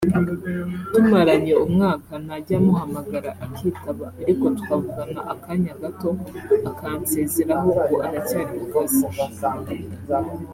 tumaranye umwaka najya muhamagara akitaba ariko tukavugana akanya gato akansezeraho ngo aracyari mu kazi